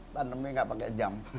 pandemi gak pakai jam